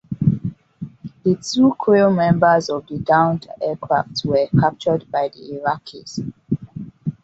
The two crew members of the downed aircraft were captured by the Iraqis.